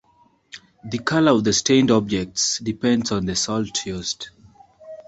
The color of the stained objects depends on the salt used.